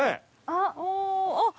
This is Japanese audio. あっ！